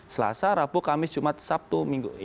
selasa rabu kamis jumat sabtu minggu